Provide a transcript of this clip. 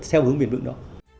theo hướng biên lượng đó